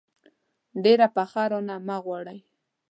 ډېره پخه رانه مه غواړئ.